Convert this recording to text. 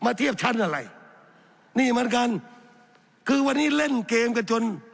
เทียบชั้นอะไรนี่เหมือนกันคือวันนี้เล่นเกมกันจน